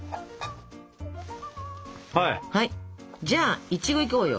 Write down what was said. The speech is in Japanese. じゃあイチゴいこうよ。